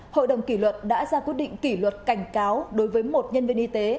hội đồng kỷ luật đã ra quyết định kỷ luật cảnh cáo đối với một nhân viên y tế